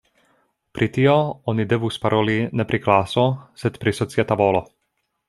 Pri tio oni devus paroli ne pri klaso, sed pri socia tavolo.